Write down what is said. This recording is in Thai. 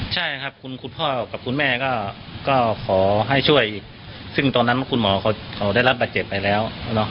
ใช่ครับคุณพ่อกับคุณแม่ก็ขอให้ช่วยซึ่งตอนนั้นคุณหมอเขาได้รับบาดเจ็บไปแล้ว